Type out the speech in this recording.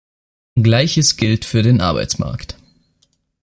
Gleiches gilt für den Arbeitsmarkt.